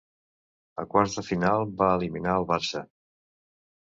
A quarts de final va eliminar el Barça.